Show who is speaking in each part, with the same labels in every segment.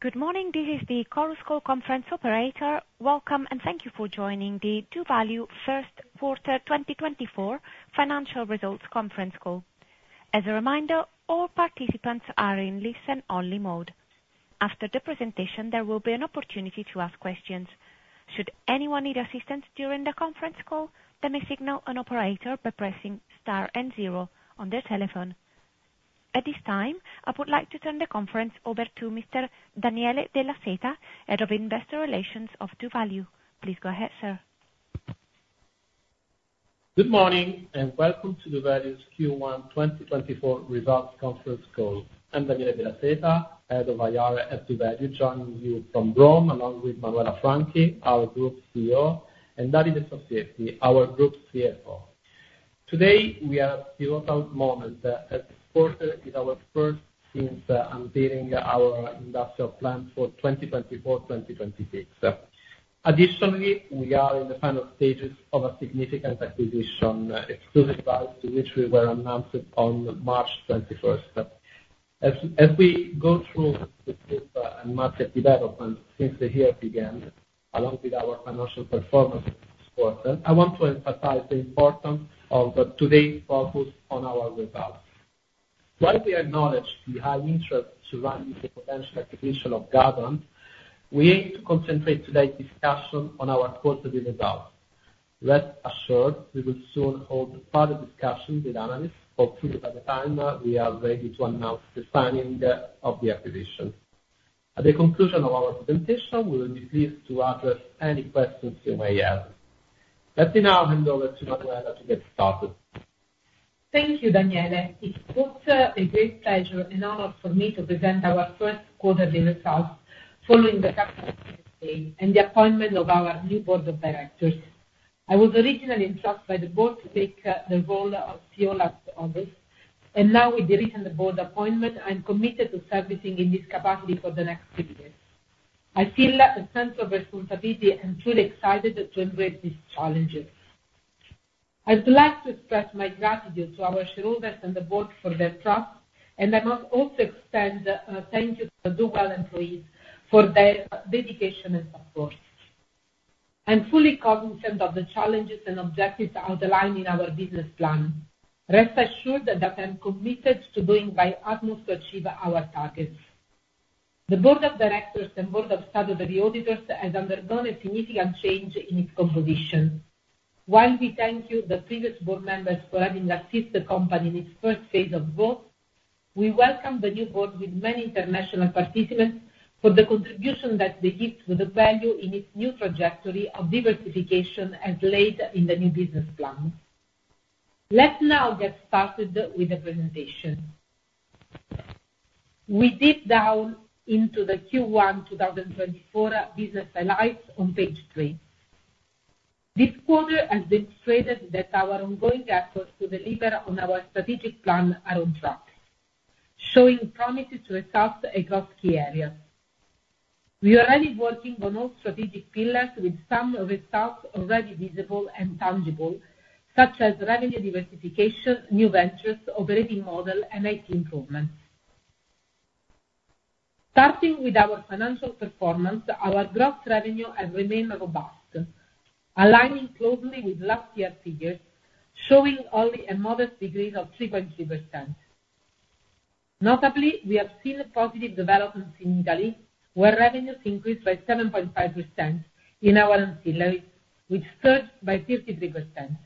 Speaker 1: Good morning, this is the Chorus Call Conference Operator. Welcome, and thank you for joining the doValue First Quarter 2024 Financial Results Conference Call. As a reminder, all participants are in listen-only mode. After the presentation, there will be an opportunity to ask questions. Should anyone need assistance during the conference call, let me signal an operator by pressing star and zero on their telephone. At this time, I would like to turn the conference over to Mr. Daniele De La Seta, Head of Investor Relations of doValue. Please go ahead, sir.
Speaker 2: Good morning, and welcome to doValue's Q1 2024 Results Conference Call. I'm Daniele De La Seta, Head of IR at doValue, joining you from Rome, along with Manuela Franchi, our Group CEO, and Davide Sospietri, our Group CFO. Today, we are at a pivotal moment, as the quarter is our first since unveiling our industrial plan for 2024, 2026. Additionally, we are in the final stages of a significant acquisition of Gardant, which we announced on March 21. As we go through the group and market development since the year began, along with our financial performance for the quarter, I want to emphasize the importance of today's focus on our results. While we acknowledge the high interest surrounding the potential acquisition of Gardant, we aim to concentrate today's discussion on our quarterly results. Rest assured, we will soon hold further discussions with analysts, hopefully by the time we are ready to announce the signing of the acquisition. At the conclusion of our presentation, we will be pleased to address any questions you may have. Let me now hand over to Manuela to get started.
Speaker 3: Thank you, Daniele. It's both a great pleasure and honor for me to present our first quarterly results following the capital day and the appointment of our new board of directors. I was originally trusted by the board to take the role of CEO last August, and now with the recent board appointment, I'm committed to servicing in this capacity for the next three years. I feel a sense of responsibility and feel excited to embrace these challenges. I'd like to express my gratitude to our shareholders and the board for their trust, and I must also extend a thank you to doValue employees for their dedication and support. I'm fully cognizant of the challenges and objectives outlined in our business plan. Rest assured that I'm committed to doing my utmost to achieve our targets. The board of directors and board of statutory auditors has undergone a significant change in its composition. While we thank you, the previous board members, for having assisted the company in its first phase of growth, we welcome the new board with many international participants for the contribution that they give to the value in its new trajectory of diversification as laid in the new business plan. Let's now get started with the presentation. We delve into the Q1 2024 business highlights on page three. This quarter has demonstrated that our ongoing efforts to deliver on our strategic plan are on track, showing promise to results across key areas. We are already working on all strategic pillars, with some results already visible and tangible, such as revenue diversification, new ventures, operating model, and IT improvements. Starting with our financial performance, our gross revenue has remained robust, aligning closely with last year's figures, showing only a modest decrease of 3.3%. Notably, we have seen a positive development in Italy, where revenues increased by 7.5% in our ancillary, which surged by 33%.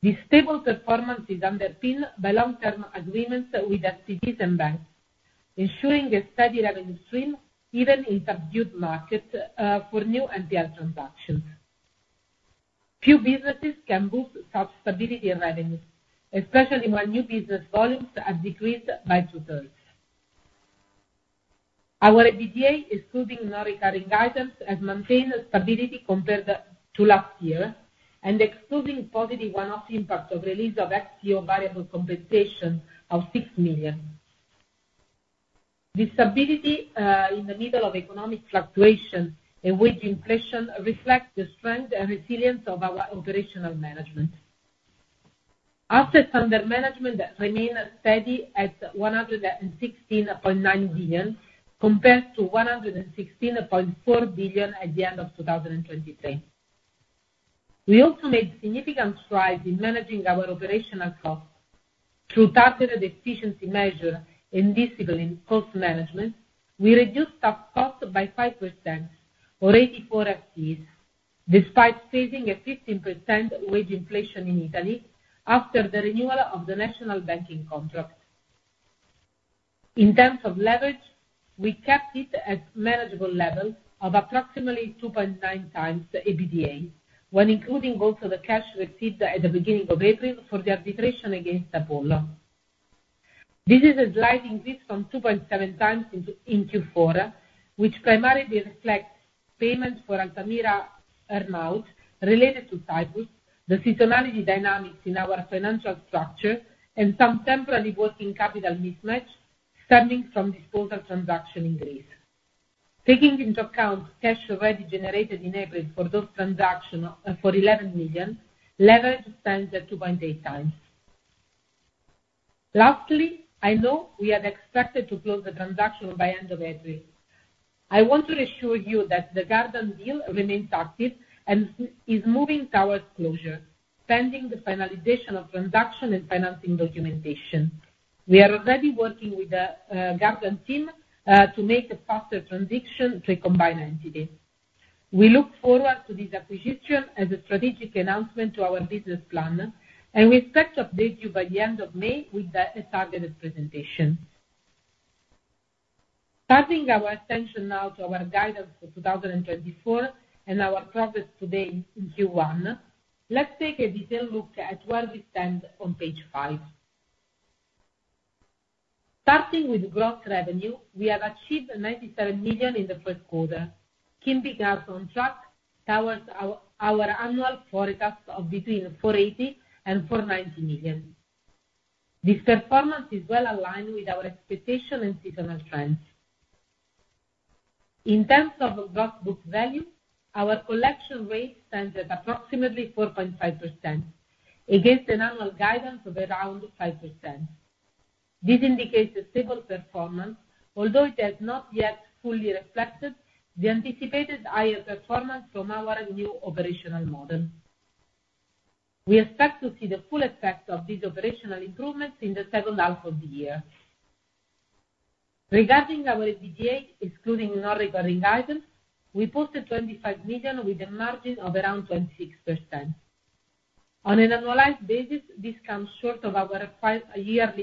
Speaker 3: This stable performance is underpinned by long-term agreements with FCTs and banks, ensuring a steady revenue stream, even in subdued markets, for new NPL transactions. Few businesses can boast such stability in revenue, especially when new business volumes have decreased by two-thirds. Our EBITDA, excluding non-recurring items, has maintained stability compared to last year and excluding positive one-off impact of release of CFO variable compensation of EUR 6 million. This stability, in the middle of economic fluctuation in which inflation reflects the strength and resilience of our operational management. Assets under management remain steady at 116.9 billion, compared to 116.4 billion at the end of 2023. We also made significant strides in managing our operational costs. Through targeted efficiency measure and discipline cost management, we reduced our cost by 5% or 84,000, despite facing a 15% wage inflation in Italy after the renewal of the national banking contract. In terms of leverage, we kept it at manageable level of approximately 2.9 times the EBITDA, when including also the cash received at the beginning of April for the arbitration against Apollo. This is a slight increase from 2.7 times in Q4, which primarily reflects payments for Altamira earn-out related to Cyprus, the seasonality dynamics in our financial structure, and some temporary working capital mismatch stemming from disposal transaction in Greece. Taking into account cash already generated in April for those transaction for 11 million, leverage stands at 2.8 times. Lastly, I know we had expected to close the transaction by end of April. I want to assure you that the Gardant deal remains active and is moving towards closure, pending the finalization of transaction and financing documentation. We are already working with the Gardant team to make a faster transition to a combined entity. We look forward to this acquisition as a strategic announcement to our business plan, and we expect to update you by the end of May with a targeted presentation. Turning our attention now to our guidance for 2024 and our progress today in Q1, let's take a detailed look at where we stand on page 5. Starting with Gross Revenue, we have achieved 97 million in the first quarter, keeping us on track towards our annual forecast of between 480 million and 490 million. This performance is well aligned with our expectation and seasonal trends. In terms of Gross Book Value, our collection rate stands at approximately 4.5% against an annual guidance of around 5%. This indicates a stable performance, although it has not yet fully reflected the anticipated higher performance from our new operational model. We expect to see the full effect of these operational improvements in the second half of the year. Regarding our EBITDA, excluding non-recurring items, we posted 25 million with a margin of around 26%. On an annualized basis, this comes short of our FY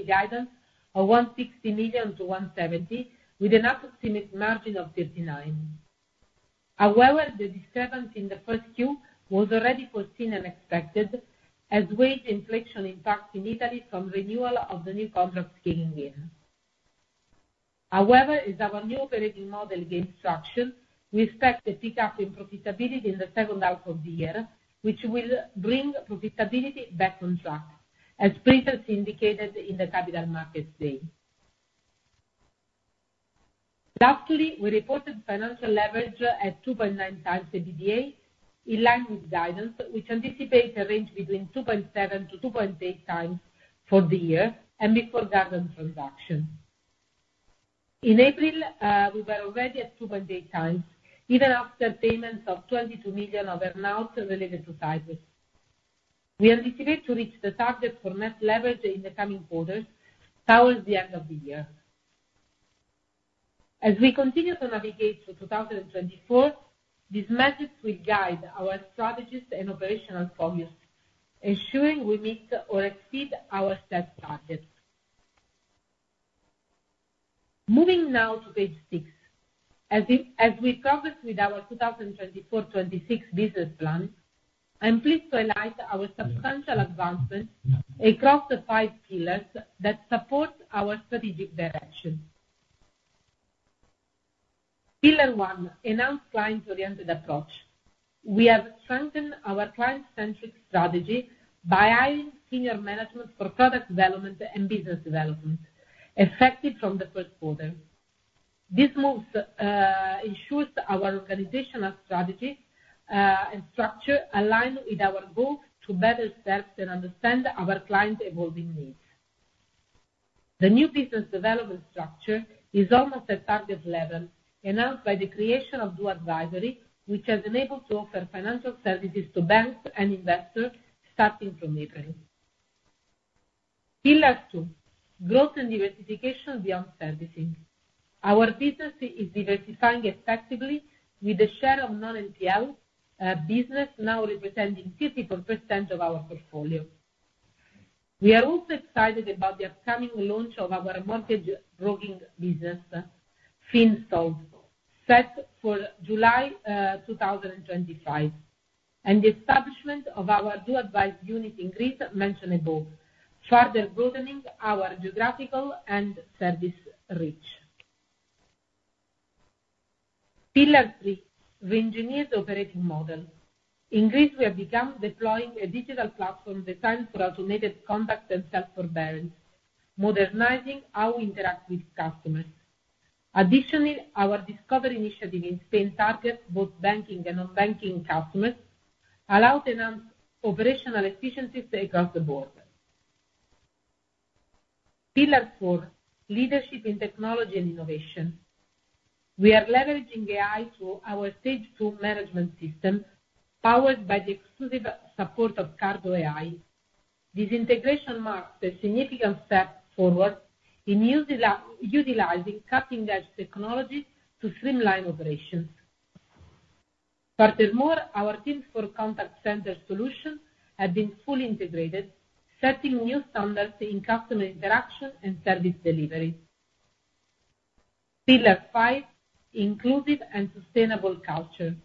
Speaker 3: guidance of 160 million-170 million, with an approximate margin of 59%. However, the disturbance in the first Q was already foreseen and expected, as wage inflation impacts in Italy from renewal of the new contract scaling year. However, as our new operating model gains traction, we expect a pick-up in profitability in the second half of the year, which will bring profitability back on track, as previously indicated in the Capital Markets Day. Lastly, we reported financial leverage at 2.9x EBITDA, in line with guidance, which anticipates a range between 2.7-2.8x for the year and before Gardant transaction. In April, we were already at 2.8x, even after payments of 22 million of amounts related to Cyprus. We anticipate to reach the target for net leverage in the coming quarters towards the end of the year. As we continue to navigate through 2024, these metrics will guide our strategies and operational focus, ensuring we meet or exceed our set targets. Moving now to page 6. As we progress with our 2024-2026 business plan, I'm pleased to highlight our substantial advancement across the five pillars that support our strategic direction. Pillar one: enhanced client-oriented approach. We have strengthened our client-centric strategy by hiring senior management for product development and business development, effective from the first quarter. This move ensures our organizational strategy and structure align with our goal to better serve and understand our clients' evolving needs. The new business development structure is almost at target level, enhanced by the creation of new advisory, which has enabled to offer financial services to banks and investors starting from April. Pillar two: growth and diversification beyond servicing. Our business is diversifying effectively with a share of non-NPL business now representing 54% of our portfolio. We are also excited about the upcoming launch of our mortgage broking business, Insto, set for July 2025, and the establishment of our new advisory unit in Greece, mentioned above, further broadening our geographical and service reach. Pillar three: reengineered operating model. In Greece, we have begun deploying a digital platform designed for automated contact and self-forbearance, modernizing how we interact with customers. Additionally, our discovery initiative in Spain targets both banking and non-banking customers, allowing enhanced operational efficiency across the board. Pillar four: leadership in technology and innovation. We are leveraging AI to our Stage 2 management system, powered by the exclusive support of Cardo AI. This integration marks a significant step forward in utilizing cutting-edge technology to streamline operations. Furthermore, our teams for contact center solutions have been fully integrated, setting new standards in customer interaction and service delivery. Pillar five: inclusive and sustainable culture.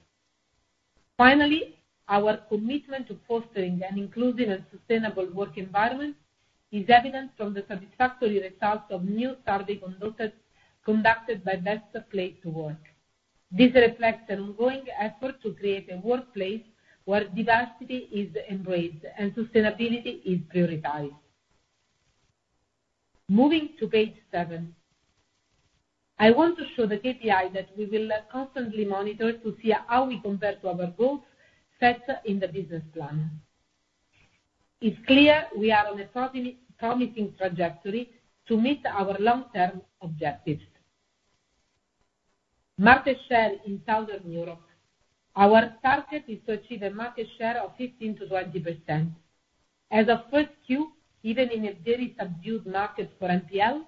Speaker 3: Finally, our commitment to fostering an inclusive and sustainable work environment is evident from the satisfactory results of new survey conducted by Best Places to Work. This reflects an ongoing effort to create a workplace where diversity is embraced and sustainability is prioritized.... Moving to page seven. I want to show the KPI that we will constantly monitor to see how we compare to our goals set in the business plan. It's clear we are on a promising, promising trajectory to meet our long-term objectives. Market share in Southern Europe. Our target is to achieve a market share of 15%-20%. As of Q1, even in a very subdued market for NPL,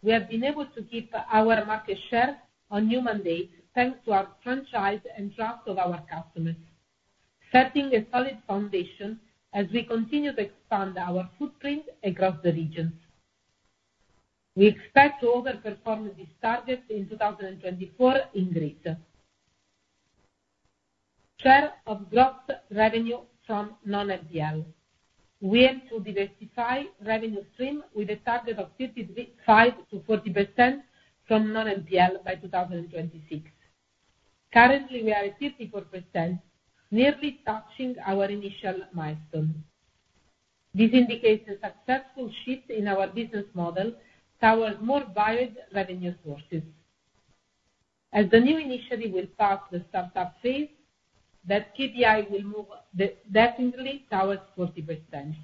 Speaker 3: we have been able to keep our market share on new mandates, thanks to our franchise and trust of our customers, setting a solid foundation as we continue to expand our footprint across the regions. We expect to overperform this target in 2024 in Greece. Share of gross revenue from non-NPL. We aim to diversify revenue stream with a target of 35%-40% from non-NPL by 2026. Currently, we are at 54%, nearly touching our initial milestone. This indicates a successful shift in our business model towards more varied revenue sources. As the new initiative will start the startup phase, that KPI will move definitely towards 40%.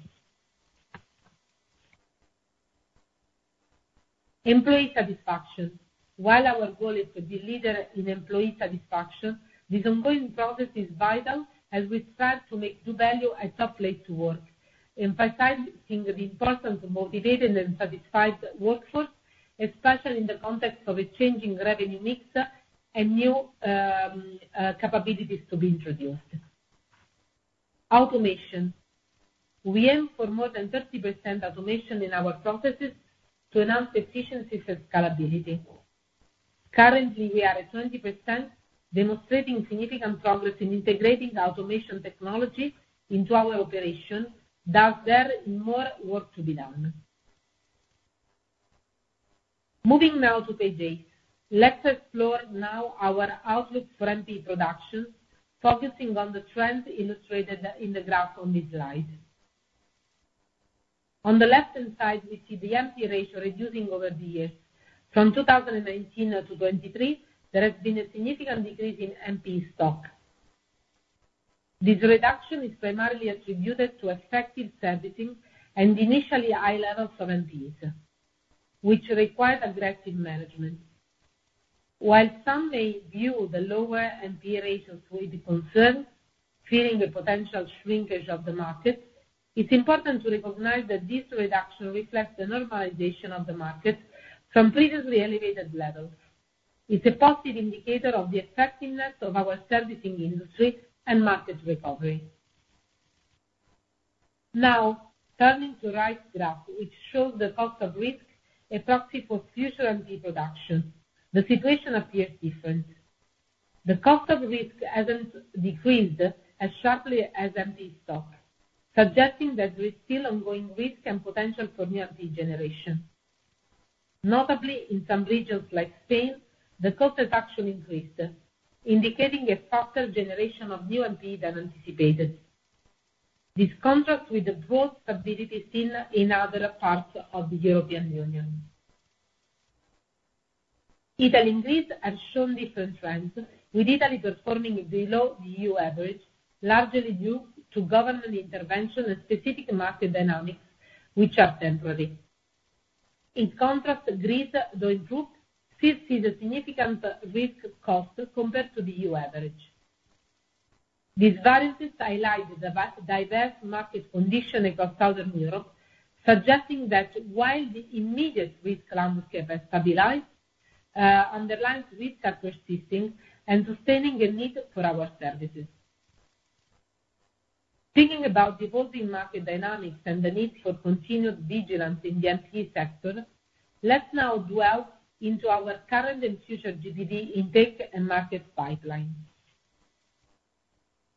Speaker 3: Employee satisfaction. While our goal is to be leader in employee satisfaction, this ongoing process is vital as we strive to make doValue a top place to work, emphasizing the importance of motivated and satisfied workforce, especially in the context of a changing revenue mix and new, capabilities to be introduced. Automation. We aim for more than 30% automation in our processes to enhance efficiency and scalability. Currently, we are at 20%, demonstrating significant progress in integrating automation technology into our operations, thus there is more work to be done. Moving now to page eight. Let's explore now our outlook for NPE production, focusing on the trend illustrated in the graph on this slide. On the left-hand side, we see the NPE ratio reducing over the years. From 2019 to 2023, there has been a significant decrease in NPE stock. This reduction is primarily attributed to effective servicing and initially high levels of NPEs, which required aggressive management. While some may view the lower NPE ratios with concern, fearing the potential shrinkage of the market, it's important to recognize that this reduction reflects the normalization of the market from previously elevated levels. It's a positive indicator of the effectiveness of our servicing industry and market recovery. Now, turning to right graph, which shows the cost of risk, a proxy for future NPE production, the situation appears different. The cost of risk hasn't decreased as sharply as NPE stock, suggesting that there's still ongoing risk and potential for new NPE generation. Notably, in some regions like Spain, the cost has actually increased, indicating a faster generation of new NPE than anticipated. This contrasts with the growth stability seen in other parts of the European Union. Italy and Greece have shown different trends, with Italy performing below the EU average, largely due to government intervention and specific market dynamics, which are temporary. In contrast, Greece, though improved, still sees a significant risk cost compared to the EU average. These variances highlight the diverse market condition across Southern Europe, suggesting that while the immediate risk landscape has stabilized, underlying risks are persisting and sustaining a need for our services. Thinking about evolving market dynamics and the need for continued vigilance in the NPE sector, let's now delve into our current and future GBV intake and market pipeline.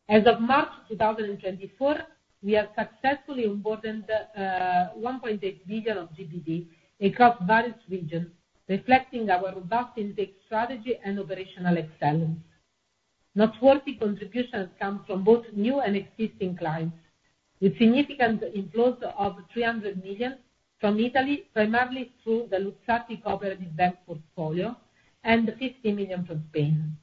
Speaker 3: As of March 2024, we have successfully onboarded 1.8 billion of GBV across various regions, reflecting our robust intake strategy and operational excellence. Noteworthy contributions come from both new and existing clients, with significant inflows of 300 million from Italy, primarily through the Luzzatti Cooperative Bank portfolio, and 50 million from Spain.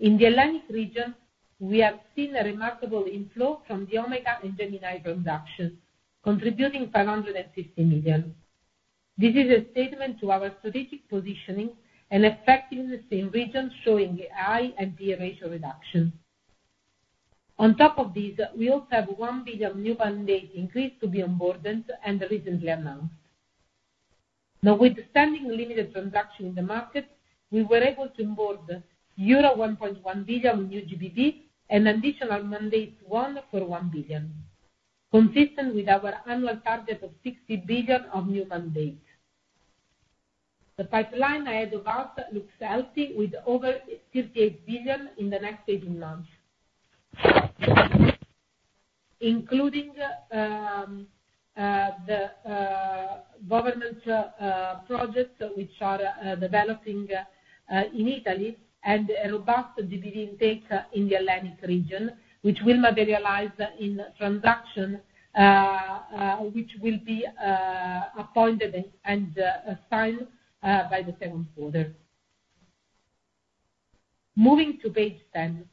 Speaker 3: In the Atlantic region, we have seen a remarkable inflow from the Omega and Gemini transactions, contributing 550 million. This is a testament to our strategic positioning and effectiveness in regions showing a high NPE ratio reduction. On top of this, we also have 1 billion new mandate increase to be onboarded and recently announced. Now, with the standing limited transaction in the market, we were able to onboard euro 1.1 billion new GBV, an additional mandate of 1.1 billion, consistent with our annual target of 60 billion of new mandates. The pipeline ahead of us looks healthy, with over 58 billion in the next 18 months, including the government project which we are developing in Italy and a robust GBV intake in the Atlantic region, which will materialize in transactions which will be appointed and signed by the second quarter. Moving to page 10.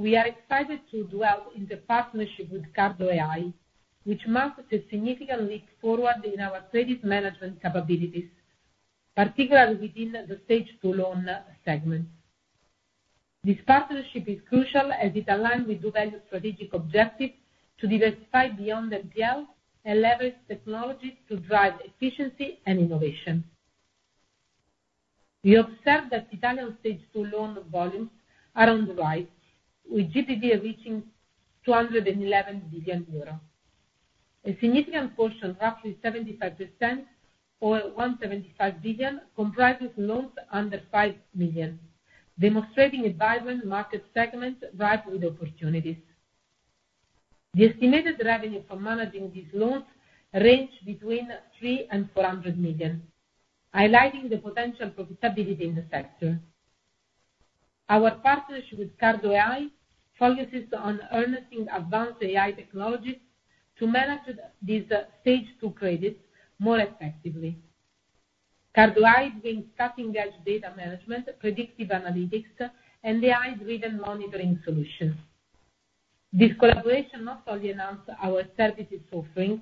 Speaker 3: We are excited to delve into the partnership with Cardo AI, which marks a significant leap forward in our credit management capabilities, particularly within the Stage 2 loan segment. This partnership is crucial as it aligns with doValue's strategic objective to diversify beyond NPL and leverage technologies to drive efficiency and innovation. We observed that Italian Stage 2 loan volumes are on the rise, with GBV reaching 211 billion euros. A significant portion, roughly 75% or 175 billion, comprises loans under 5 million, demonstrating a vibrant market segment ripe with opportunities. The estimated revenue for managing these loans range between 300 million and 400 million, highlighting the potential profitability in the sector. Our partnership with Cardo AI focuses on harnessing advanced AI technologies to manage these Stage 2 credits more effectively. Cardo AI brings cutting-edge data management, predictive analytics, and AI-driven monitoring solutions. This collaboration not only enhance our services offering,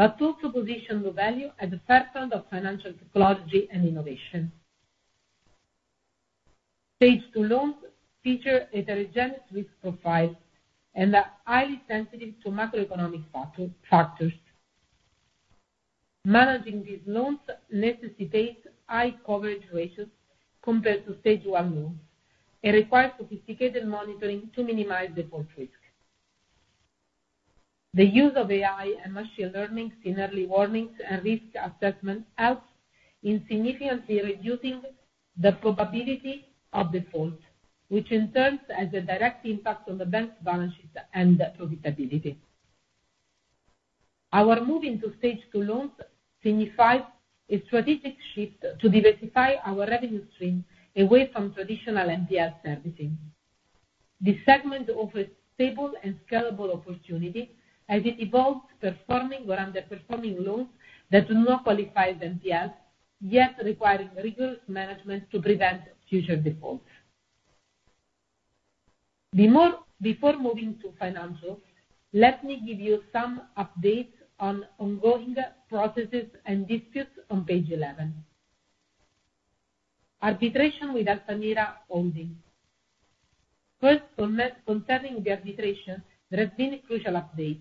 Speaker 3: but also position doValue at the forefront of financial technology and innovation. Stage 2 loans feature a heterogeneous risk profile and are highly sensitive to macroeconomic factors. Managing these loans necessitates high coverage ratios compared to Stage 1 loans, and requires sophisticated monitoring to minimize default risk. The use of AI and machine learning in early warnings and risk assessment helps in significantly reducing the probability of default, which in turn has a direct impact on the bank's balance sheet and profitability. Our move into Stage 2 loans signifies a strategic shift to diversify our revenue stream away from traditional NPL servicing. This segment offers stable and scalable opportunity as it involves performing or underperforming loans that do not qualify as NPL, yet requiring rigorous management to prevent future defaults. Before moving to financials, let me give you some updates on ongoing processes and disputes on page eleven. Arbitration with Altamira Holdings. First, concerning the arbitration, there has been a crucial update.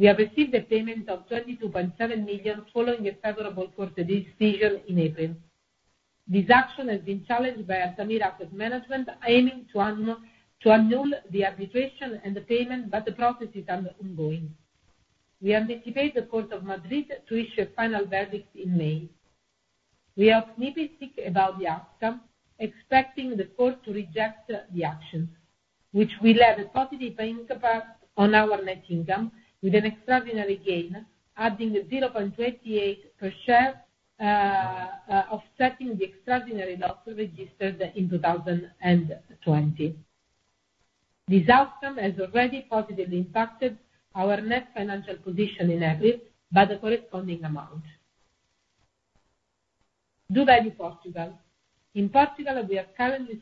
Speaker 3: We have received a payment of 22.7 million following a favorable court decision in April. This action has been challenged by Altamira Asset Management, aiming to annul the arbitration and the payment, but the process is ongoing. We anticipate the Court of Madrid to issue a final verdict in May. We are optimistic about the outcome, expecting the court to reject the action, which will have a positive impact on our net income with an extraordinary gain, adding 0.28 per share, offsetting the extraordinary loss registered in 2020. This outcome has already positively impacted our net financial position in April by the corresponding amount. DoValue Portugal. In Portugal, we are currently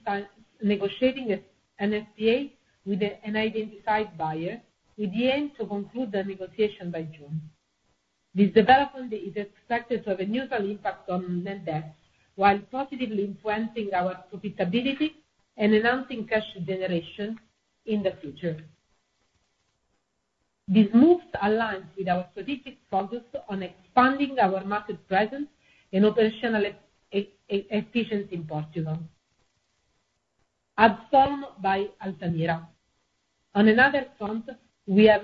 Speaker 3: negotiating an SPA with an unidentified buyer, with the aim to conclude the negotiation by June. This development is expected to have a neutral impact on net debt, while positively influencing our profitability and enhancing cash generation in the future. These moves align with our strategic focus on expanding our market presence and operational efficiency in Portugal. Ádsolum by Altamira. On another front, we have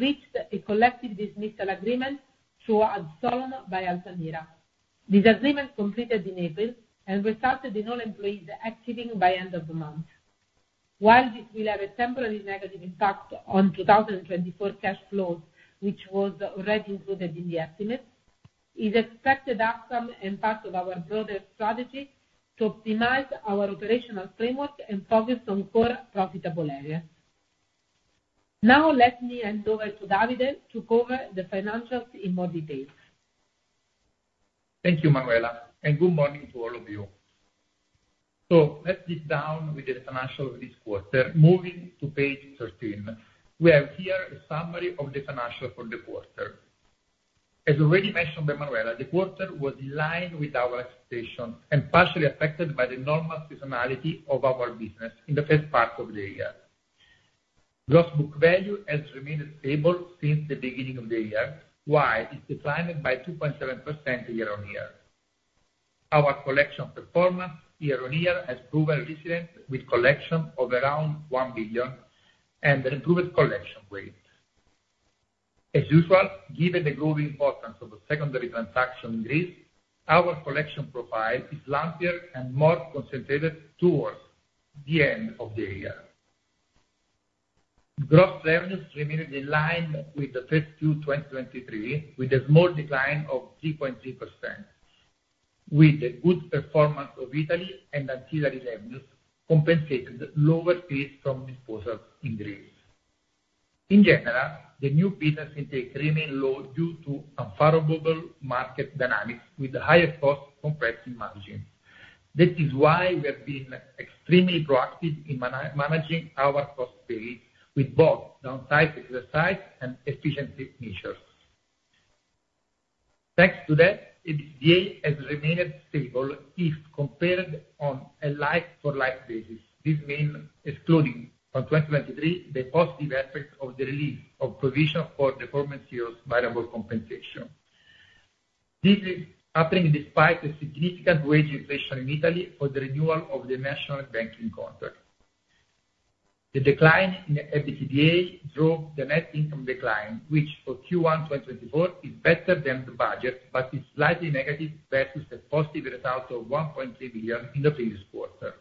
Speaker 3: reached a collective dismissal agreement to Ádsolum by Altamira. This agreement completed in April and resulted in all employees exiting by end of the month. While this will have a temporary negative impact on 2024 cash flows, which was already included in the estimate, is expected outcome and part of our broader strategy to optimize our operational framework and focus on core profitable areas. Now let me hand over to Davide to cover the financials in more details.
Speaker 4: Thank you, Manuela, and good morning to all of you. So let's dig down with the financials this quarter. Moving to page 13, we have here a summary of the financials for the quarter. As already mentioned by Manuela, the quarter was in line with our expectation and partially affected by the normal seasonality of our business in the first part of the year. Gross book value has remained stable since the beginning of the year, while it declined by 2.7% year-on-year. Our collection performance year-on-year has proven resilient, with collections of around 1 billion and improved collection rates. As usual, given the growing importance of the secondary transaction in Greece, our collection profile is lumpier and more concentrated towards the end of the year. Gross revenues remained in line with the first Q 2023, with a small decline of 3.3%, with a good performance of Italy and ancillary revenues compensating the lower fees from disposals in Greece. In general, the new business intake remain low due to unfavorable market dynamics, with higher cost compared to margin. That is why we have been extremely proactive in managing our cost base, with both downsize exercise and efficiency measures. Thanks to that, EBITDA has remained stable if compared on a like-for-like basis. This mean excluding from 2023, the positive effect of the release of provision for the former CEO's variable compensation. This is happening despite a significant wage inflation in Italy for the renewal of the national banking contract. The decline in the EBITDA drove the net income decline, which for Q1 2024 is better than the budget, but is slightly negative versus the positive result of 1.3 billion in the previous quarter.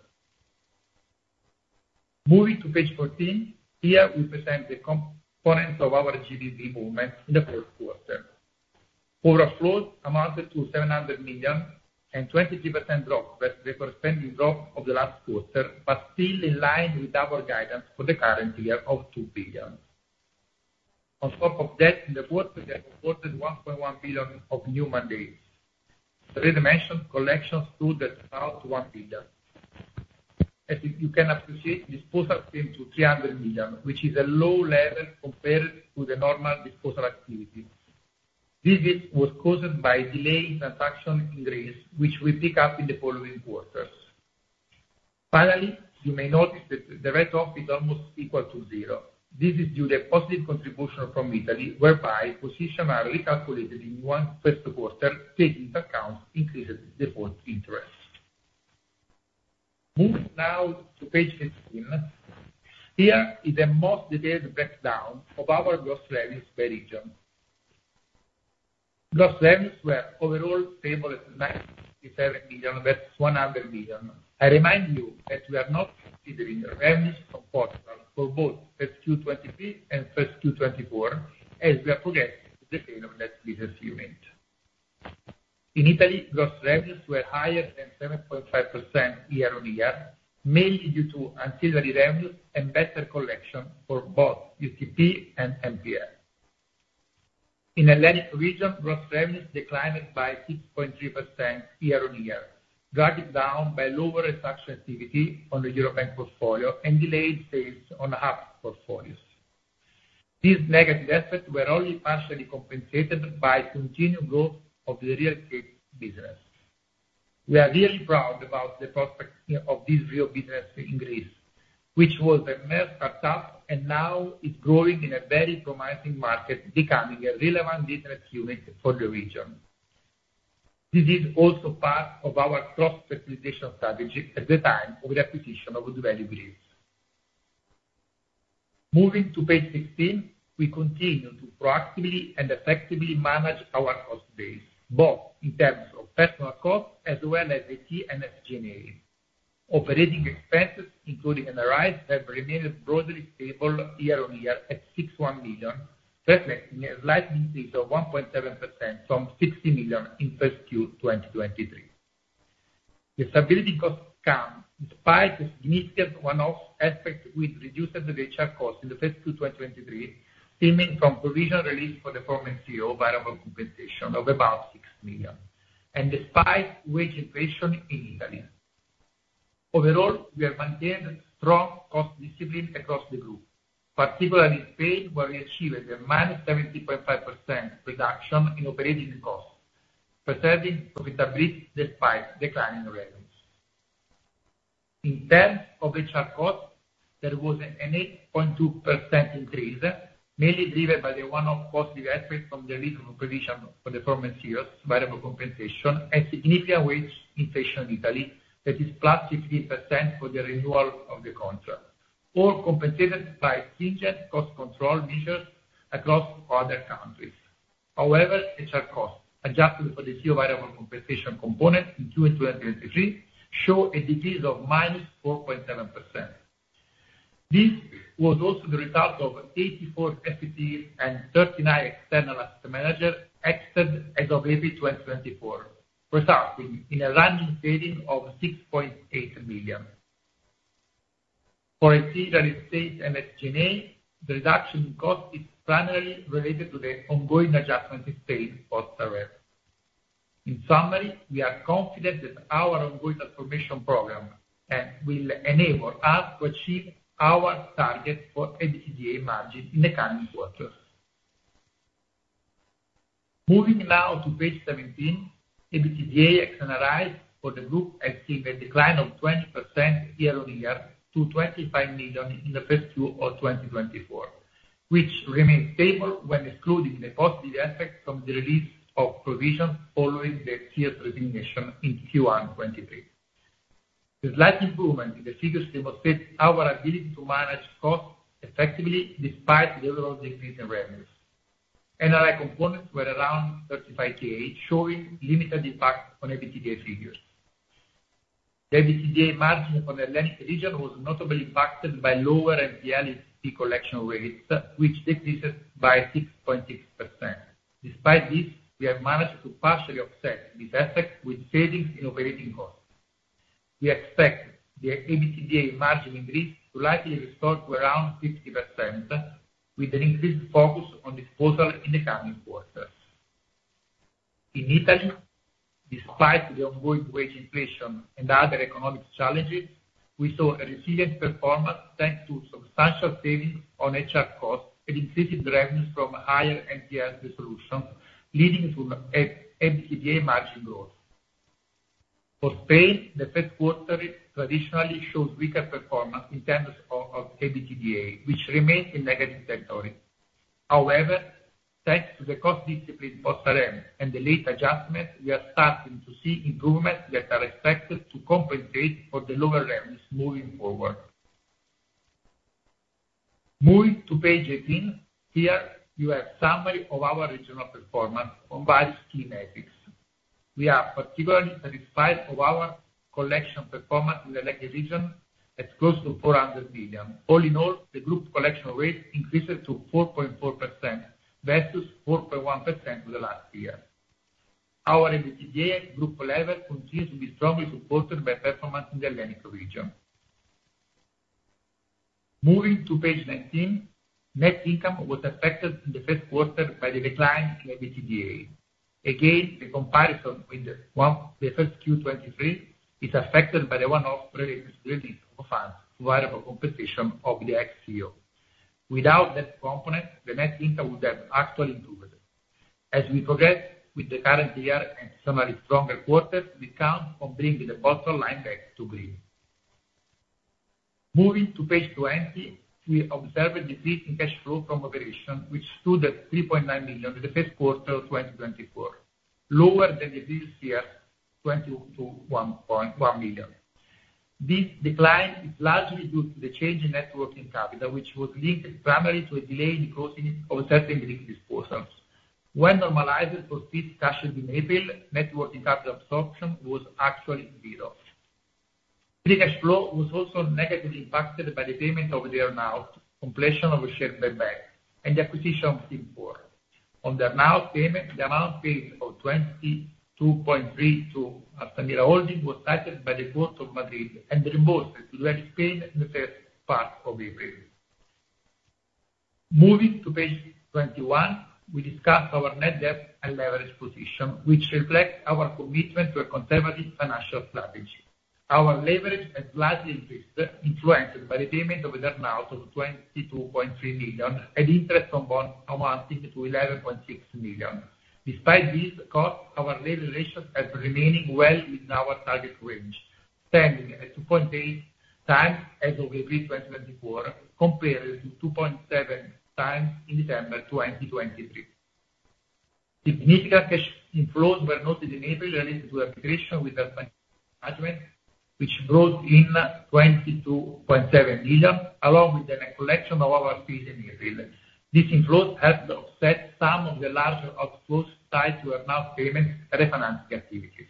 Speaker 4: Moving to page 14, here we present the components of our GBV movement in the first quarter. Overall flows amounted to 700 million and 23% drop with the corresponding drop of the last quarter, but still in line with our guidance for the current year of 2 billion. On top of that, in the first quarter, we recorded 1.1 billion of new mandates. Redemption collections stood at about 1 billion. As you can appreciate, disposal came to 300 million, which is a low level compared to the normal disposal activity. This was caused by delayed transaction in Greece, which will pick up in the following quarters. Finally, you may notice that the write-off is almost equal to zero. This is due to positive contribution from Italy, whereby positions are recalculated in the first quarter, taking into account increased default interest. Moving now to page 16. Here is the most detailed breakdown of our gross revenues by region. Gross revenues were overall stable at 97 billion, that's 100 billion. I remind you that we are not considering revenues from Portugal for both FQ 2023 and FY 2024, as we are getting the sale of that business unit. In Italy, gross revenues were higher than 7.5% year-on-year, mainly due to ancillary revenues and better collection for both UTP and NPL. In Atlantic region, gross revenues declined by 6.3% year-on-year, dragged down by lower transaction activity on the European portfolio and delayed sales on half portfolios. These negative effects were only partially compensated by continued growth of the real estate business. We are really proud about the prospects of this real business in Greece, which was a mere startup and now is growing in a very promising market, becoming a relevant business unit for the region. This is also part of our cross-acquisition strategy at the time of the acquisition of the value beliefs. Moving to page 16, we continue to proactively and effectively manage our cost base, both in terms of personnel cost as well as the IT and SG&A. Operating expenses, including NRI, have remained broadly stable year-on-year at 61 billion, reflecting a slight increase of 1.7% from 60 billion in first Q 2023. The stable costs come despite the significant one-off aspects, which reduced the HR costs in the first Q, 2023, stemming from provision release for the former CEO variable compensation of about 6 million, and despite wage inflation in Italy. Overall, we have maintained strong cost discipline across the group, particularly in Spain, where we achieved a -70.5% reduction in operating costs, preserving profitability despite declining revenues. In terms of HR costs, there was an 8.2% increase, mainly driven by the one-off positive effect from the release of provision for the former CEO's variable compensation and significant wage inflation in Italy, that is +60% for the renewal of the contract, all compensated by stringent cost control measures across other countries. However, HR costs, adjusted for the CEO variable compensation component in 1Q 2023, show a decrease of -4.7%. This was also the result of 84 FTEs and 39 external asset managers exited as of 1Q 2024, resulting in a run-rate saving of 6.8 million. For Italian staff and SG&A, the reduction in cost is primarily related to the ongoing adjustment in Spain post-Altamira. In summary, we are confident that our ongoing transformation program will enable us to achieve our target for EBITDA margin in the coming quarters. Moving now to page 17, EBITDA and NRI for the group achieved a decline of 20% year-on-year to 25 million in 1Q 2024, which remains stable when excluding the positive effect from the release of provisions following the CEO's resignation in 1Q 2023. The slight improvement in the figures demonstrates our ability to manage costs effectively, despite the overall decrease in revenues. NRI components were around 35K, showing limited impact on EBITDA figures. The EBITDA margin for the last region was notably impacted by lower NPL collection rates, which decreased by 6.6%. Despite this, we have managed to partially offset this effect with savings in operating costs... We expect the EBITDA margin in Greece to likely restore to around 50%, with an increased focus on disposal in the coming quarters. In Italy, despite the ongoing wage inflation and other economic challenges, we saw a resilient performance, thanks to substantial savings on HR costs and increased revenues from higher NPL resolution, leading to an EBITDA margin growth. For Spain, the first quarter traditionally showed weaker performance in terms of EBITDA, which remains in negative territory. However, thanks to the cost discipline post-RM and the late adjustments, we are starting to see improvements that are expected to compensate for the lower revenues moving forward. Moving to page 18, here you have summary of our regional performance on by segment basis. We are particularly satisfied of our collection performance in the legacy region at close to 400 million. All in all, the group collection rate increases to 4.4% versus 4.1% in the last year. Our EBITDA at group level continues to be strongly supported by performance in the Atlantic region. Moving to page 19, net income was affected in the first quarter by the decline in EBITDA. Again, the comparison with the first Q 2023 is affected by the one-off related to release of funds variable compensation of the ex-CEO. Without that component, the net income would have actually improved. As we progress with the current year and summary stronger quarters, we count on bringing the bottom line back to green. Moving to page 20, we observe a decrease in cash flow from operation, which stood at 3.9 million in the first quarter of 2024, lower than this year, 22 million to 1.1 million. This decline is largely due to the change in net working capital, which was linked primarily to a delay in the closing of certain Greek disposals. When normalized for fees cashed in April, net working capital absorption was actually 0. Free cash flow was also negatively impacted by the payment of the earn-out, completion of a share buyback, and the acquisition of Team4. On the earn-out payment, the amount paid of 22.3 million to Altamira Holdings was cited by the Court of Madrid and reimbursed to Well Spain in the first part of April. Moving to page 21, we discuss our net debt and leverage position, which reflects our commitment to a conservative financial strategy. Our leverage has slightly increased, influenced by the payment of an earn-out of 22.3 million and interest on bond amounting to 11.6 million. Despite these costs, our leverage has remained well within our target range, standing at 2.8 times as of April 2024, compared to 2.7 times in December 2023. Significant cash inflows were noted in April related to arbitration with Altamira Asset Management, which brought in 22.7 million, along with the collection of our fees in April. This inflows helped to offset some of the larger outflows tied to earn-out payments, refinancing activities.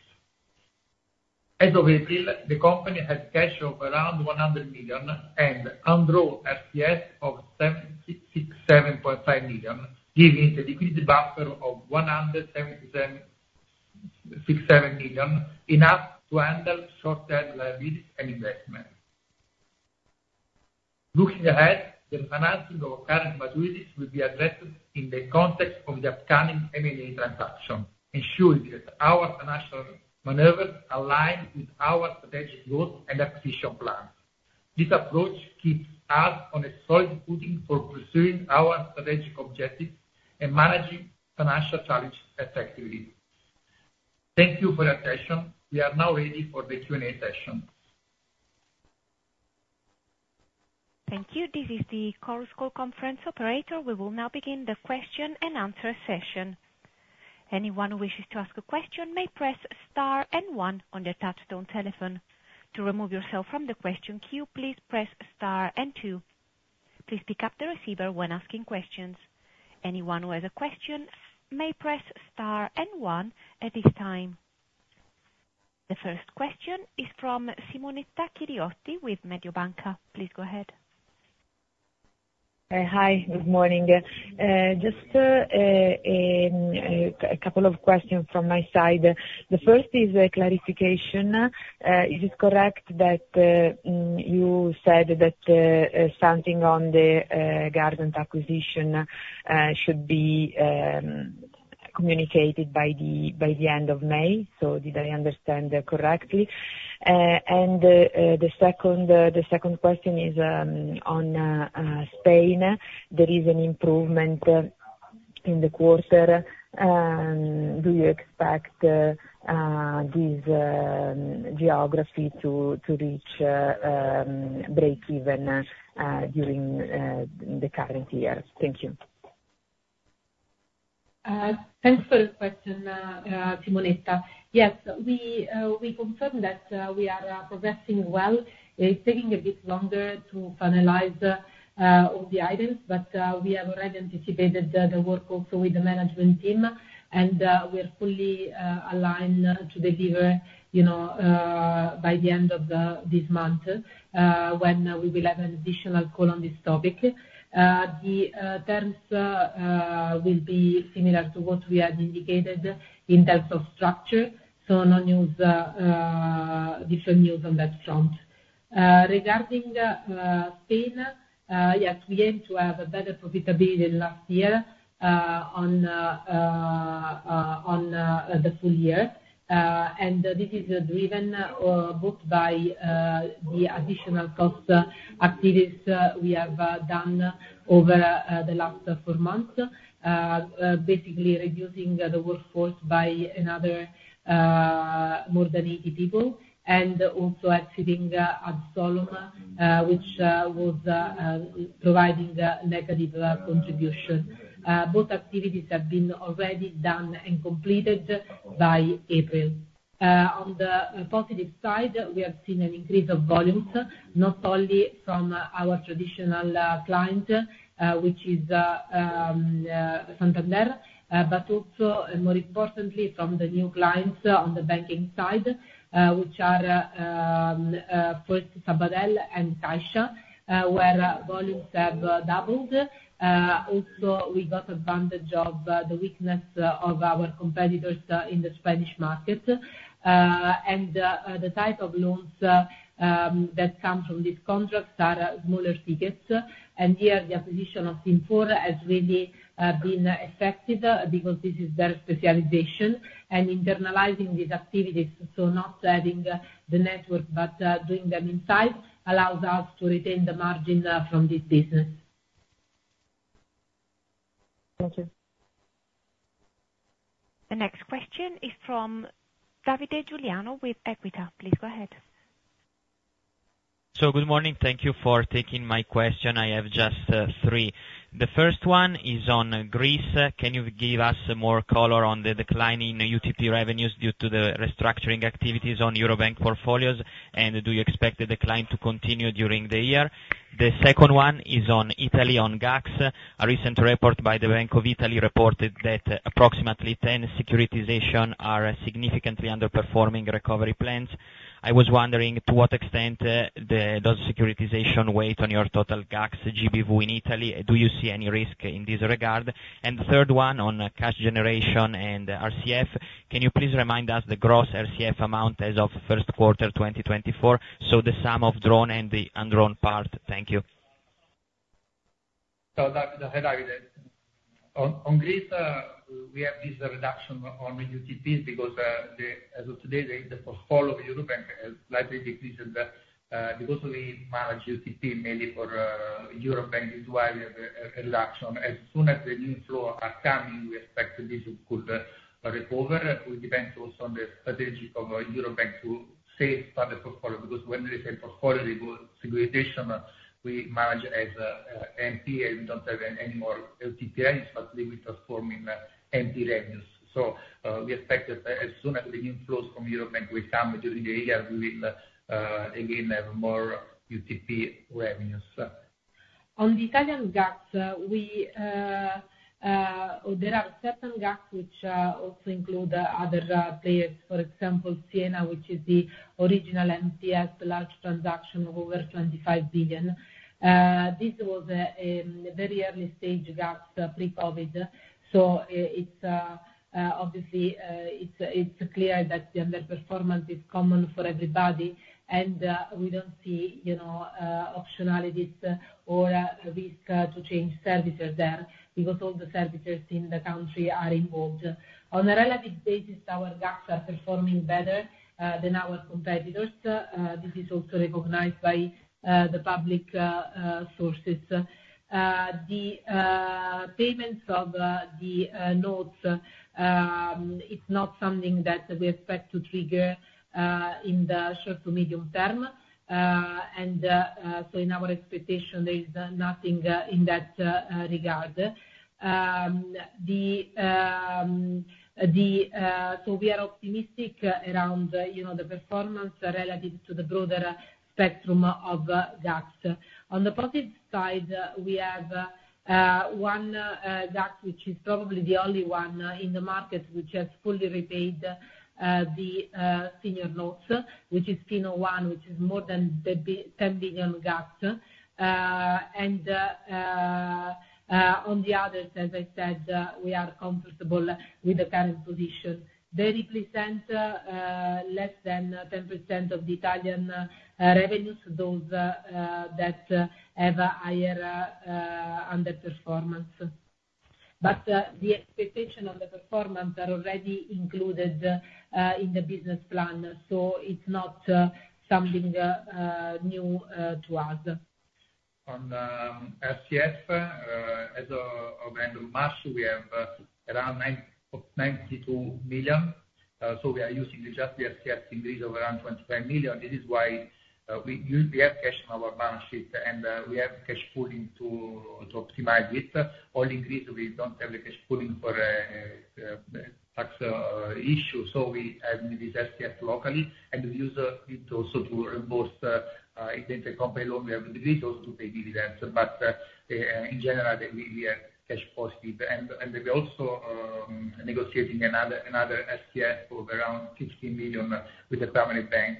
Speaker 4: As of April, the company had cash of around 100 million and undrawn RCF of 76.75 million, giving the liquidity buffer of 177.67 million, enough to handle short-term liabilities and investment. Looking ahead, the financing of current maturities will be addressed in the context of the upcoming M&A transaction, ensuring that our financial maneuvers align with our strategic goals and acquisition plans. This approach keeps us on a solid footing for pursuing our strategic objectives and managing financial challenges effectively. Thank you for your attention. We are now ready for the Q&A session.
Speaker 1: Thank you. This is the Chorus Call conference operator. We will now begin the question-and-answer session. Anyone who wishes to ask a question may press star and one on their touchtone telephone. To remove yourself from the question queue, please press star and two. Please pick up the receiver when asking questions. Anyone who has a question may press star and one at this time. The first question is from Simonetta Chiriotti with Mediobanca. Please go ahead.
Speaker 5: Hi, good morning. Just a couple of questions from my side. The first is a clarification. Is it correct that you said that something on the Gardant acquisition should be communicated by the end of May? So did I understand correctly? And the second question is on Spain. There is an improvement in the quarter. Do you expect this geography to reach breakeven during the current year? Thank you.
Speaker 4: Thanks for the question, Simonetta. Yes, we confirm that we are progressing well. It's taking a bit longer to finalize all the items, but we have already anticipated the work also with the management team, and we are fully aligned to deliver, you know, by the end of this month, when we will have an additional call on this topic. The terms will be similar to what we had indicated in terms of structure, so no news, different news on that front....
Speaker 3: regarding Spain, yes, we aim to have a better profitability than last year on the full year. And this is driven both by the additional cost activities we have done over the last four months. Basically reducing the workforce by another more than 80 people and also exiting Ádsolum, which was providing a negative contribution. Both activities have been already done and completed by April. On the positive side, we have seen an increase of volumes, not only from our traditional client which is Santander, but also, and more importantly, from the new clients on the banking side, which are first Sabadell and CaixaBank, where volumes have doubled. Also, we got advantage of the weakness of our competitors in the Spanish market. And the type of loans that come from these contracts are smaller tickets, and here, the acquisition of Import has really been effective, because this is their specialization. And internalizing these activities, so not adding the network, but doing them inside, allows us to retain the margin from this business. Thank you.
Speaker 1: The next question is from Davide Giuliano with Equita. Please go ahead.
Speaker 6: So good morning. Thank you for taking my question. I have just three. The first one is on Greece. Can you give us more color on the decline in UTP revenues due to the restructuring activities on Eurobank portfolios? And do you expect the decline to continue during the year? The second one is on Italy, on GACS. A recent report by the Bank of Italy reported that approximately 10 securitizations are significantly underperforming recovery plans. I was wondering to what extent those securitizations weigh on your total GACS GBV in Italy? Do you see any risk in this regard? And the third one on cash generation and RCF. Can you please remind us the gross RCF amount as of first quarter 2024, so the sum of drawn and the undrawn part? Thank you.
Speaker 4: So, hi, Davide. On Greece, we have this reduction on UTPs because, as of today, the portfolio of Eurobank has slightly decreased, because we manage UTP mainly for Eurobank, is why the reduction. As soon as the new flow are coming, we expect this could recover. It will depend also on the strategy of Eurobank to save part of the portfolio, because when they say portfolio securitization, we manage as NP, and we don't have any more UTP, but we transforming NP revenues. So, we expect that as soon as the inflows from Eurobank will come during the year, we will again have more UTP revenues.
Speaker 3: On the Italian GACS, we... There are certain GACS which also include other players. For example, Siena, which is the original NPL, large transaction of over 25 billion. This was a very early stage GACS, pre-COVID. So it's obviously it's clear that the underperformance is common for everybody, and we don't see, you know, optionality or risk to change servicers there, because all the servicers in the country are involved. On a relative basis, our GACS are performing better than our competitors. This is also recognized by the public sources. The payments of the notes, it's not something that we expect to trigger in the short to medium term. So in our expectation, there is nothing in that regard. So we are optimistic around, you know, the performance relative to the broader spectrum of GACS. On the positive side, we have one GACS, which is probably the only one in the market, which has fully repaid the senior notes, which is in FINO 1, which is more than the 10 billion GACS. And on the others, as I said, we are comfortable with the current position. They represent less than 10% of the Italian revenues, those that have a higher underperformance. But the expectation on the performance are already included in the business plan, so it's not something new to us.
Speaker 4: On RCF, as of end of March, we have around 992 million. So we are using just the RCF increase of around 25 million. This is why we have cash on our balance sheet, and we have cash pooling to optimize it. Only Greece, we don't have the cash pooling for tax issue, so we have the RCF locally, and we use it also to reimburse it is a company loan we have with Greece also to pay dividends. But in general, we are cash positive, and we're also negotiating another RCF of around 16 million with the primary bank.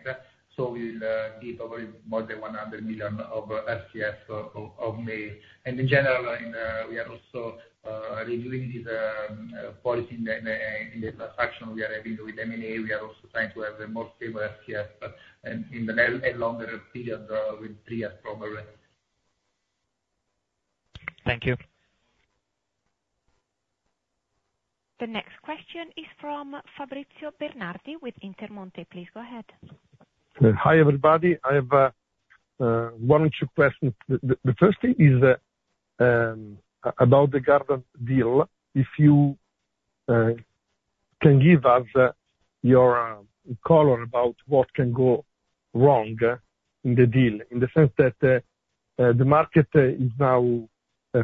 Speaker 4: So we'll be probably more than 100 million of RCF of May. In general, we are also reviewing this policy in the transaction we are having with M&A. We are also trying to have a more favorable RCF in a longer period with three years probably....
Speaker 3: Thank you.
Speaker 1: The next question is from Fabrizio Bernardi with Intermonte, please go ahead.
Speaker 7: Hi, everybody. I have one or two questions. The first thing is about the Gardant deal. If you can give us your color about what can go wrong in the deal, in the sense that the market is now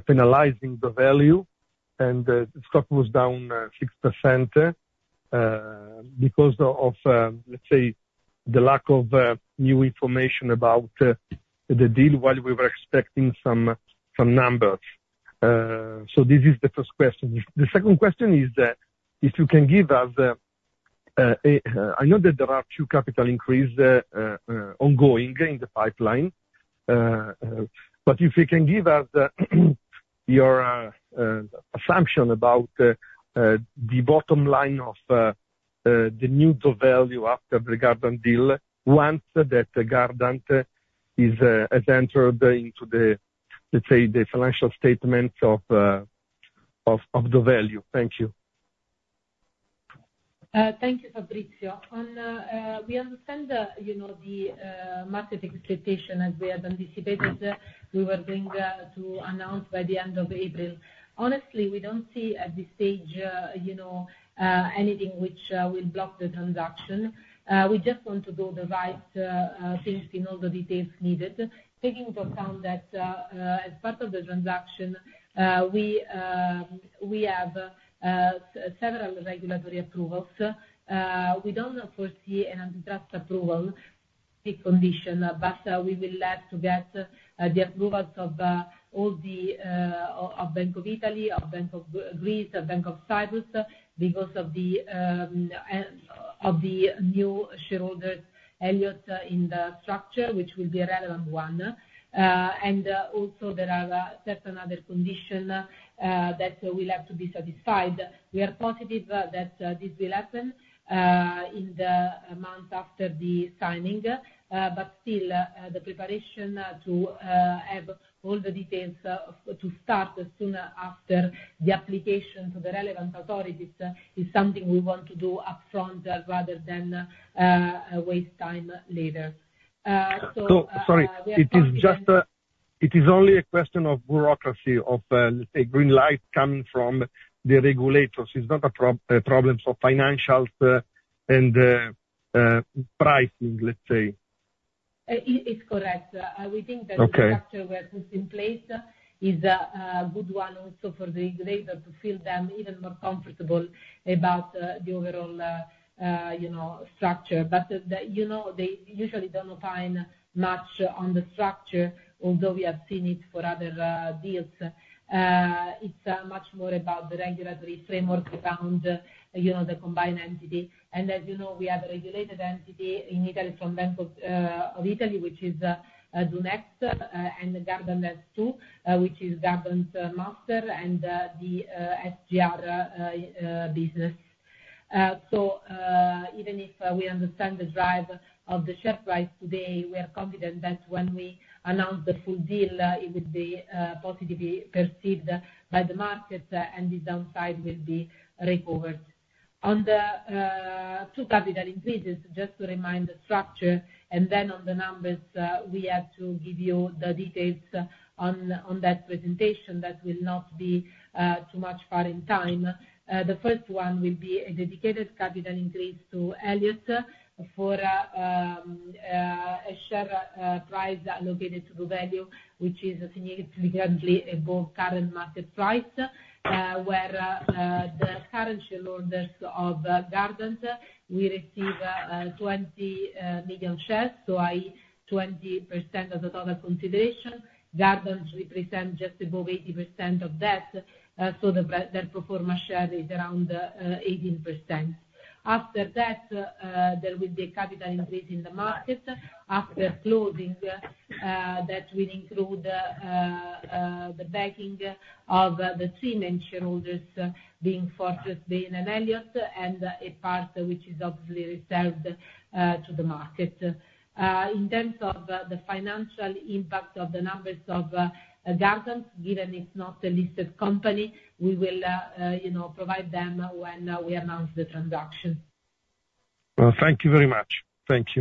Speaker 7: penalizing doValue, and the stock was down 6% because of let's say, the lack of new information about the deal, while we were expecting some numbers. So this is the first question. The second question is that, if you can give us a... I know that there are two capital increase ongoing in the pipeline. But if you can give us your assumption about the bottom line of doValue after the Gardant deal, once the Gardant has entered into the, let's say, the financial statements of doValue. Thank you.
Speaker 3: Thank you, Fabrizio. On, we understand, you know, the market expectation as we have anticipated, we were going to announce by the end of April. Honestly, we don't see at this stage, you know, anything which will block the transaction. We just want to do the right things in all the details needed, taking into account that, as part of the transaction, we, we have several regulatory approvals. We don't foresee an antitrust approval condition, but we will like to get the approvals of all the of Bank of Italy, of Bank of Greece, of Bank of Cyprus, because of the of the new shareholder, Elliott, in the structure, which will be a relevant one. And, also there are certain other conditions that will have to be satisfied. We are positive that this will happen in the month after the signing. But still, the preparation to have all the details to start soon after the application to the relevant authorities is something we want to do upfront, rather than waste time later. So,
Speaker 7: So, sorry, it is only a question of bureaucracy, of, let's say, green light coming from the regulators. It's not a problem for financials and pricing, let's say.
Speaker 3: It is correct. We think that-
Speaker 7: Okay...
Speaker 3: the structure we have put in place is a good one also for the regulator, to feel them even more comfortable about, the overall, you know, structure. But you know, they usually don't opine much on the structure, although we have seen it for other deals. It's much more about the regulatory framework around, you know, the combined entity. And as you know, we have a regulated entity in Italy, from Bank of Italy, which is doNext, and Gardant, too, which is Gardant Master and the SGR business. So, even if we understand the drive of the share price today, we are confident that when we announce the full deal, it will be positively perceived by the market, and the downside will be recovered. On the two capital increases, just to remind the structure, and then on the numbers, we have to give you the details on that presentation. That will not be too much far in time. The first one will be a dedicated capital increase to Elliott, for a share price allocated to the value, which is significantly above current market price, where the current shareholders of Gardant will receive 20 million shares, so i.e., 20% of the total consideration. Gardant represent just above 80% of that, so their pro forma share is around 18%. After that, there will be a capital increase in the market. After closing, that will include the backing of the three main shareholders, being Fortress, Bain and Elliott, and a part which is obviously reserved to the market. In terms of the financial impact of the numbers of Gardant, given it's not a listed company, we will, you know, provide them when we announce the transaction.
Speaker 7: Well, thank you very much. Thank you.